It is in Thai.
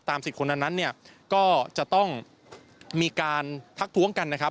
ตามสิทธิ์คนนั้นก็จะต้องมีการทักทวงกันนะครับ